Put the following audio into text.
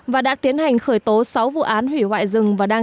và đã tiến hành khởi tố sáu vụ án